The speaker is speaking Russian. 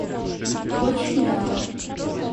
Очень рад.